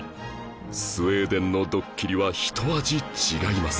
スウェーデンのドッキリはひと味違います！